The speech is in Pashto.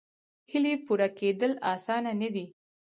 هیلې پوره کېدل اسانه نه دي.